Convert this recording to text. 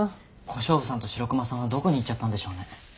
小勝負さんと白熊さんはどこに行っちゃったんでしょうね。